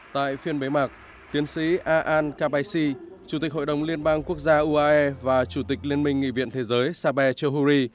tại phiên bế mạc tiến sĩ a an kabishi chủ tịch hội đồng liên bang quốc gia uae và chủ tịch liên minh nghị viện thế giới sabe chohuri